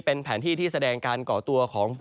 เป็นแผนที่ที่แสดงการก่อตัวของ